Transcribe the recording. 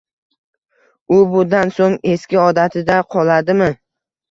U bundan so'ng eski odatida qoladimi?